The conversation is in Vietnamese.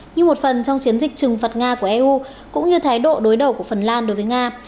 như một phần trong chiến dịch trừng phạt nga của eu cũng như thái độ đối đầu của phần lan đối với nga